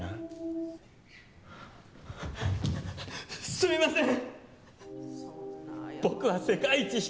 すみません。